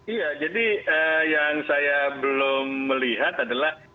iya jadi yang saya belum melihat adalah